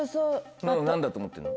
何だと思ってんの？